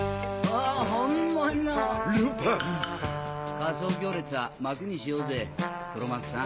仮装行列は幕にしようぜ黒幕さん。